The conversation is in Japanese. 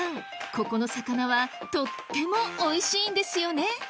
ここの魚はとってもおいしいんですよね？